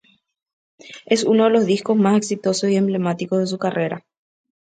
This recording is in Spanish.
Es uno de los discos más exitosos y emblemáticos de su carrera.